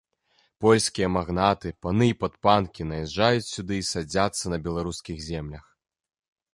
Польскія магнаты, паны і падпанкі наязджаюць сюды і садзяцца на беларускіх землях.